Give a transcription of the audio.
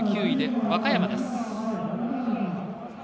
３９位で和歌山です。